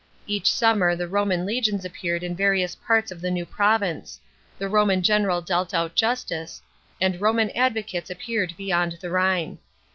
Each summer the Roman legions appeared in various parts of the new province; the Roman general dealt out justice, and Roman advocates appeared beyond the Rhine.